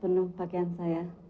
penuh pakaian saya